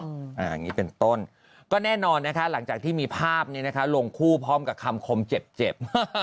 อย่างนี้เป็นต้นก็แน่นอนนะคะหลังจากที่มีภาพนี้นะคะลงคู่พร้อมกับคำคมเจ็บเจ็บ